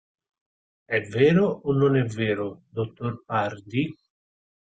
È vero o non è vero, dottor Pardi?